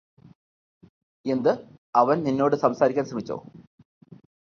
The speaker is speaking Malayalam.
എന്ത് അവർ നിന്നോട് സംസാരിക്കാൻ ശ്രമിച്ചോ